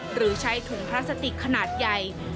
หรือใช้ถุงพลาสติกขนาดใหญ่